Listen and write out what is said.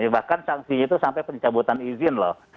bahkan sanksinya itu sampai pencabutan izin loh